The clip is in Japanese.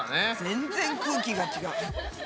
全然空気が違う。